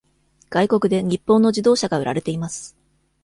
外国で日本の自動車が売られています。